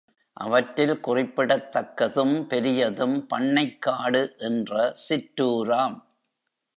அவற்றில் குறிப்பிடத்தக்கதும், பெரியதும் பண்ணைக்காடு என்ற சிற்றூராம்.